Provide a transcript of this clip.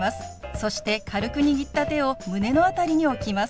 そして軽く握った手を胸の辺りに置きます。